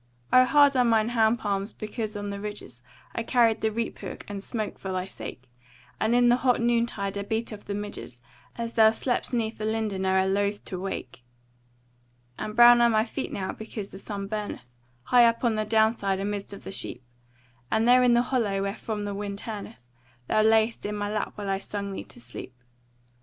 O hard are mine hand palms because on the ridges I carried the reap hook and smote for thy sake; And in the hot noon tide I beat off the midges As thou slep'st 'neath the linden o'er loathe to awake. And brown are my feet now because the sun burneth High up on the down side amidst of the sheep, And there in the hollow wherefrom the wind turneth, Thou lay'st in my lap while I sung thee to sleep.